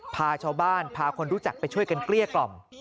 พาชาวบ้านพาคนรู้จักไปช่วยกันเกลี้ยกล่อม